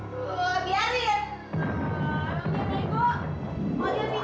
zeta zeta buruan